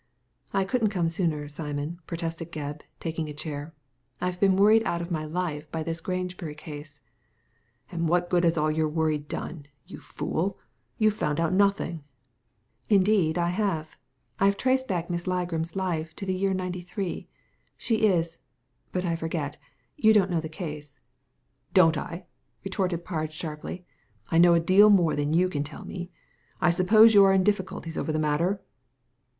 " I couldn't come sooner, Simon," protested Gebb, taking a chair, " IVe been worried out of my life by this Grangebury case." "And what good has all your worry done, you fool ? You've found out nothing." " Indeed I have. I've traced back Miss Ligram's life to the year '93. She is — but I forget — ^you don't know the case." "Don't 11" retorted Parge, sharply. "I know a deal more than you can tell me. I suppose you are in difficulties over the matter